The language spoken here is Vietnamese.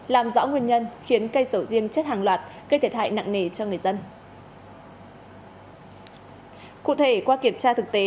làm rõ nguyên nhân khiến cây sầu riêng trở lại